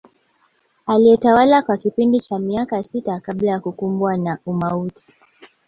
Aliyetawala kwa kipindi cha miaka sita kabla ya kukumbwa na umauti